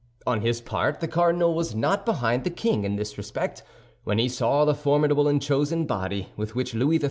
On his part, the cardinal was not behind the king in this respect. When he saw the formidable and chosen body with which Louis XIII.